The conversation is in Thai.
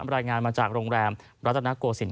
รายงานมาจากโรงแรมรัฐนโกศิล